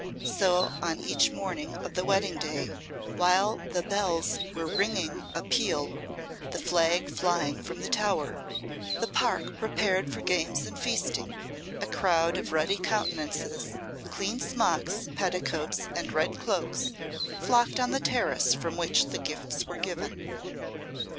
So on each morning of the wedding day, while the bells were ringing a peal, the flag flying from the Tower, the park prepared for games and feasting, a crowd of ruddy countenances, clean smocks, petticoats, and red cloaks flocked on the terrace from which the gifts were given.